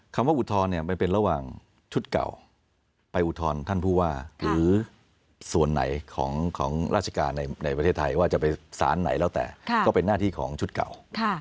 คำว่าอุทธรณ์เนี่ยมันเป็นระหว่างชุดเก่าไปอุทธรณ์ท่านผู้ว่าหรือส่วนไหนของราชการในประเทศไทยว่าจะไปสารไหนแล้วแต่ก็เป็นหน้าที่ของชุดเก่า